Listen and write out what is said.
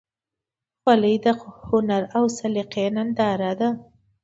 خولۍ د هنر او سلیقې ننداره ده.